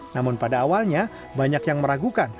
namun pada awalnya banyak yang meragukan